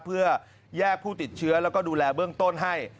เพื่อแยกผู้ติดเชื้อแล้วก็ดูแลเบื้องต้นให้